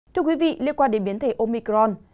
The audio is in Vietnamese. thưa quý vị liên quan đến biến thể omicron